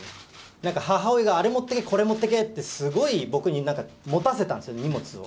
なんか母親があれ持ってけ、これ持ってけって、すごい僕になんか持たせたんですよ、荷物を。